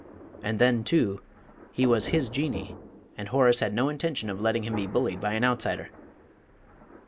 And then, too, he was his Jinnee, and Horace had no intention of letting him be bullied by an outsider.